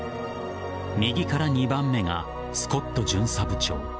右から２番目がスコット巡査部長。